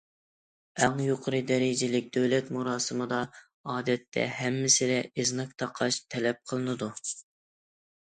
ئەڭ يۇقىرى دەرىجىدىكى دۆلەت مۇراسىمىدا، ئادەتتە ھەممىسىدە ئىزناك تاقاش تەلەپ قىلىنىدۇ.